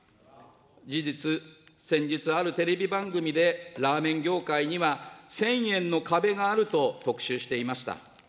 事実、先日、あるテレビ番組で、ラーメン業界には１０００円の壁があると特集していました。